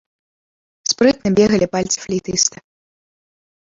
Спрытна бегалі пальцы флейтыста.